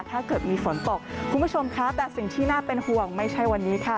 ถ้าเกิดมีฝนตกคุณผู้ชมค่ะแต่สิ่งที่น่าเป็นห่วงไม่ใช่วันนี้ค่ะ